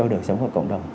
để sống cho cộng đồng